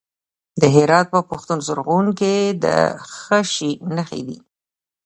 د هرات په پښتون زرغون کې د څه شي نښې دي؟